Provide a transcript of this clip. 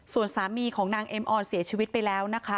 ส่วนสามีของนางเอ็มออนเสียชีวิตไปแล้วนะคะ